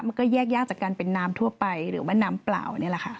มันก็แยกยากจากการเป็นน้ำทั่วไปหรือว่าน้ำเปล่านี่แหละค่ะ